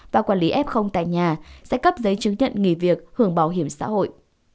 và quản lý f tại nhà sẽ cấp giấy chứng nhận nghỉ việc hưởng bảo hiểm xã hội